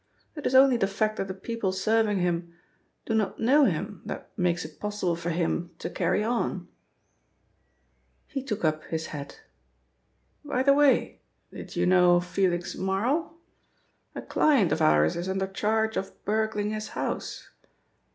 It is only the fact that the people serving him do not know him that makes it possible for him to carry on," He took up his hat. "By the way, did you know Felix Marl? A client of ours is under charge of burgling his house.